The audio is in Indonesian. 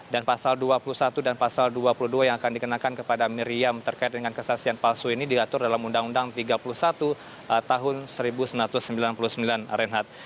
dan pasal dua puluh satu dan pasal dua puluh dua yang akan dikenakan kepada meriam terkait dengan kesaksian palsu ini diatur dalam undang undang tiga puluh satu tahun seribu sembilan ratus sembilan puluh sembilan renhat